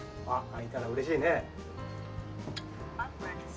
開いたらうれしいね。